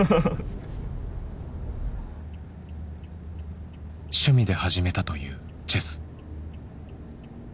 趣味で始めたというチェス。